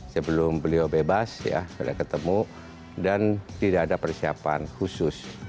sebelum beliau bebas ya sudah ketemu dan tidak ada persiapan khusus